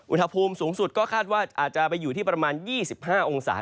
อุณหภูมิสูงสุดก็คาดว่าอาจจะไปอยู่ที่ประมาณ๒๕องศา